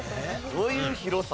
どういう広さ？